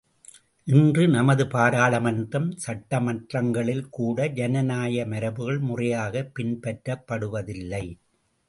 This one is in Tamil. இன்று நமது பாராளுமன்றம், சட்டமன்றங்களில் கூட ஜனநாயக மரபுகள் முறையாகப் பின்பற்றப்படுவதில்லை.